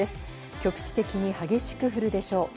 局地的に激しく降るでしょう。